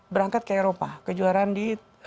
berangkat ke eropa kejuaraan di